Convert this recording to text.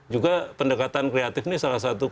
juga pendekatan kreatif ini salah satu